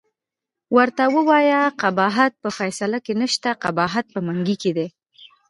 ورته ووایه قباحت په فیصله کې نشته، قباحت په منګي کې دی.